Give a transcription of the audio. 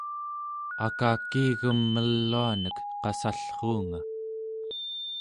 akakiigem meluanek qassallruunga